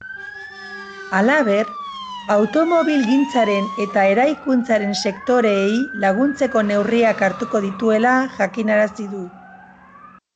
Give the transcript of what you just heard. Halaber, automobilgintzaren eta eraikuntzaren sektoreei laguntzeko neurriak hartuko dituela jakinarazi du.